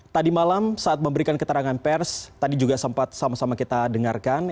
tadi malam saat memberikan keterangan pers tadi juga sempat sama sama kita dengarkan